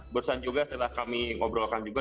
barusan juga setelah kami ngobrolkan juga